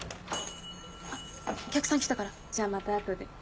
・あっお客さん来たからじゃあまた後で。